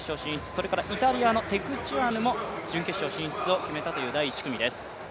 それからイタリアのテクチュアヌも準決勝進出を決めたという第１組です。